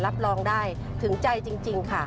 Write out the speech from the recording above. รับรองได้ถึงใจจริงค่ะ